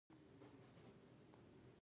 راغلل د جمع فعل دی.